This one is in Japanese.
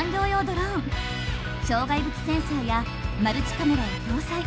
障害物センサーやマルチカメラを搭載。